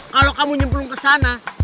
kalau kamu nyemplung kesana